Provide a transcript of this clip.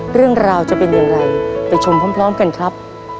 เรื่องราวจะเป็นอย่างไรไปชมพร้อมกันครับ